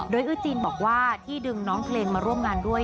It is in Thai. โดยอื้อจีนบอกว่าที่ดึงน้องเพลงมาร่วมงานด้วย